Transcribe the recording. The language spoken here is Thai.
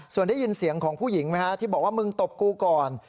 ส่วนได้ยินเสียงของผู้หญิงไหมฮะที่บอกว่ามึงตบกูก่อน